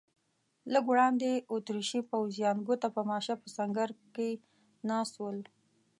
لږ وړاندې اتریشي پوځیان ګوته په ماشه په سنګر کې ناست ول.